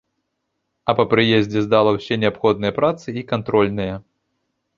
А па прыездзе здала ўсе неабходныя працы і кантрольныя.